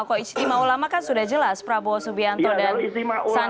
kok ijtima ulama kan sudah jelas prabowo subianto dan sandiaga uno